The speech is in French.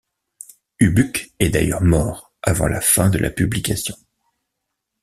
Hubuc est d'ailleurs mort avant la fin de la publication.